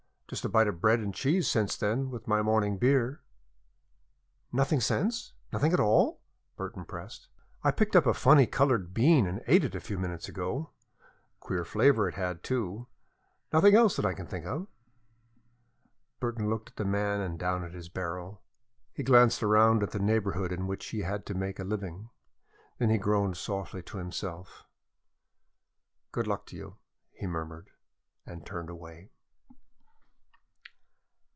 "Just a bite of bread and cheese since, with my morning beer." "Nothing since not anything at all?" Burton pressed. "I picked up a funny colored bean and ate it, a few minutes ago. Queer flavor it had, too. Nothing else that I can think of." Burton looked at the man and down at his barrow. He glanced around at the neighborhood in which he had to make a living. Then he groaned softly to himself. "Good luck to you!" he murmured, and turned away.